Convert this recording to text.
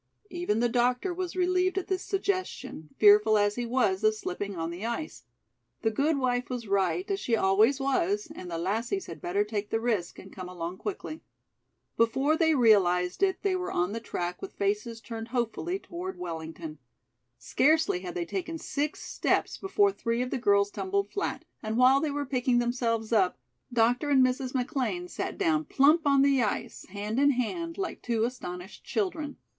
Even the doctor was relieved at this suggestion, fearful as he was of slipping on the ice. The gude wife was right, as she always was, and the lassies had better take the risk and come along quickly. Before they realized it, they were on the track with faces turned hopefully toward Wellington. Scarcely had they taken six steps, before three of the girls tumbled flat, and while they were picking themselves up, Dr. and Mrs. McLean sat down plump on the ice, hand in hand, like two astonished children.